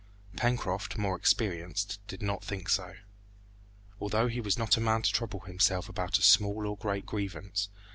Pencroft, more experienced, did not think so, although he was not a man to trouble himself about a small or great grievance.